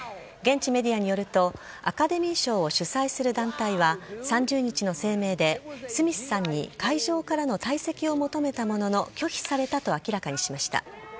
現地メディアによるとアカデミー賞を主催する団体は３０日の声明で、スミスさんに会場からの退席を求めたものの拒否されたと明らかにしました。